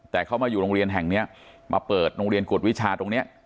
แต่เขามาอยู่โรงเรียนแห่งนี้มาเปิดโรงเรียนกวดวิชาตรงนี้